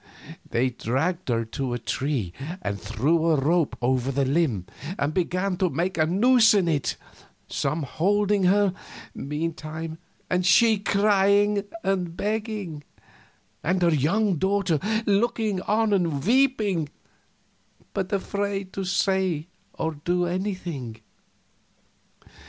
They dragged her to a tree and threw a rope over the limb, and began to make a noose in it, some holding her, meantime, and she crying and begging, and her young daughter looking on and weeping, but afraid to say or do anything.